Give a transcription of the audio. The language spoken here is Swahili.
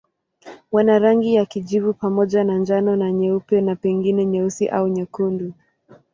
Wana rangi ya kijivu pamoja na njano na nyeupe na pengine nyeusi au nyekundu.